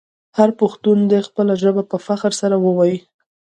هر پښتون دې خپله ژبه په فخر سره وویې.